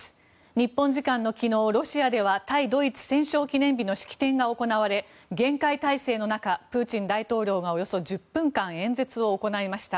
日本時間の昨日、ロシアでは対ドイツ戦勝記念日の式典が行われ、厳戒態勢の中プーチン大統領がおよそ１０分間演説を行いました。